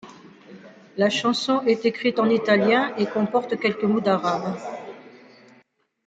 La chanson est écrite en italien et comporte quelques mots d'arabe.